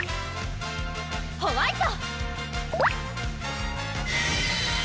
ホワイト！